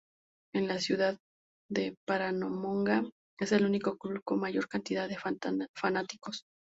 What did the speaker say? En la ciudad de "Paramonga" es el único club con mayor cantidad de fanáticos.